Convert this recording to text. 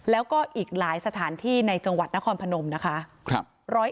แล้วก็อีกหลายสถานที่ในจังหวัดนครพนมนะคะ